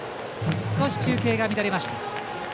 少し中継が乱れました。